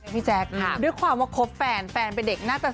เรื่องนี้มันหล่อนจริง